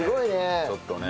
ちょっとね。